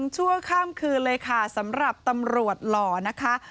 ชั่วข้ามคืนเลยค่ะสำหรับตำรวจหล่อนะคะ